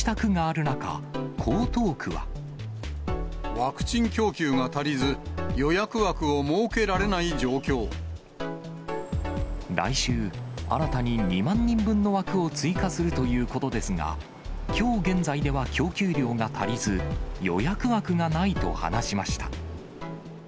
ワクチン供給が足りず、来週、新たに２万人分の枠を追加するということですが、きょう現在では供給量が足りず、予約枠がないと話しました。